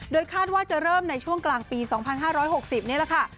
คาดว่าจะเริ่มในช่วงกลางปี๒๕๖๐นี่แหละค่ะ